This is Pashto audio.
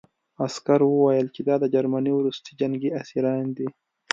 عسکر وویل چې دا د جرمني وروستي جنګي اسیران دي